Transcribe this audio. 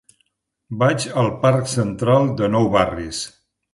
Vaig al parc Central de Nou Barris.